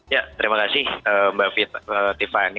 ya terima kasih mbak tiffany